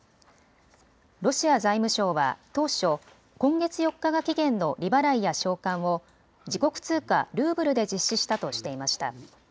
ロシア財務省は当初、今月４日が期限の利払いや償還を自国通貨ルーブルで実施したとしていました。